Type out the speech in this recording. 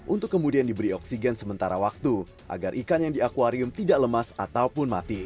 untuk kemudian diberi oksigen sementara waktu agar ikan yang di akwarium tidak lemas ataupun mati